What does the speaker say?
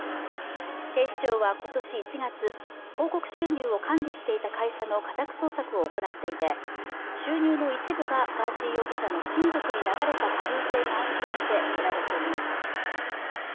警視庁は今年１月、広告収入を管理していた会社の家宅捜索を行っていて収入の一部がガーシー容疑者の親族に流れた可能性があるとみて調べています。